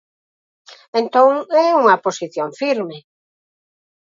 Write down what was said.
Entón é unha posición firme.